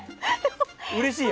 うれしい？